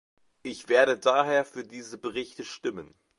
Ich werde daher für diese Berichte stimmen.